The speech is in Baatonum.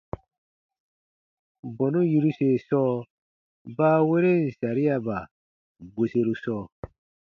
Bɔnu yiruse sɔɔ baaweren sariaba bweseru sɔɔ.